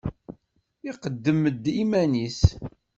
Iqeddem-d iman-nnes.